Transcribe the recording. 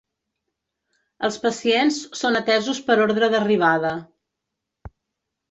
Els pacients són atesos per ordre d'arribada.